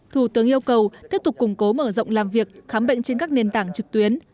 thủ tướng yêu cầu tiếp tục củng cố mở rộng làm việc khám bệnh trên các nền tảng trực tuyến